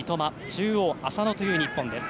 中央が浅野という日本です。